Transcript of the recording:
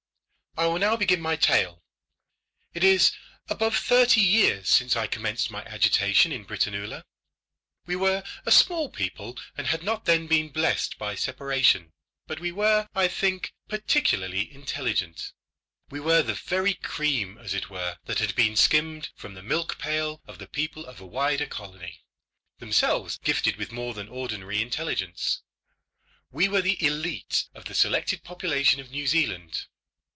I will now begin my tale. It is above thirty years since I commenced my agitation in Britannula. We were a small people, and had not then been blessed by separation; but we were, I think, peculiarly intelligent. We were the very cream, as it were, that had been skimmed from the milk pail of the people of a wider colony, themselves gifted with more than ordinary intelligence. We were the élite of the selected population of New Zealand.